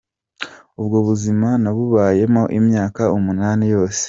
Ubwo buzima nabubayemo imyaka umunani yose.